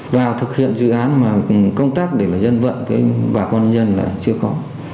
và thực hiện dự án mà công tác để là dân vận với bà con dân là chưa có